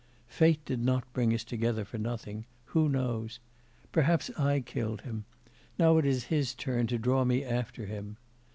Fate did not bring us together for nothing; who knows? perhaps I killed him; now it is his turn to draw me after him.